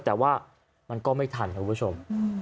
แต่ว่ามันก็ไม่ทันครับคุณผู้ชม